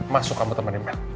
masuk kamu temenin mel